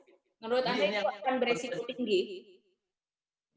menurut anda itu akan beresiko tinggi